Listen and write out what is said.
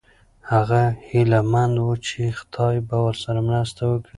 هغه هیله من و چې خدای به ورسره مرسته وکړي.